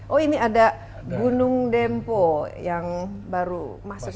oh ini ada gunung dempo yang baru masuk